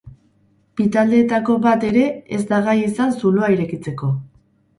Bi taldeetako bat ere ez da gai izan zuloa irekitzeko.